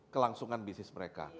kelangsungan bisnis mereka